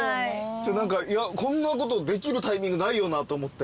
何かこんなことできるタイミングないよなと思って。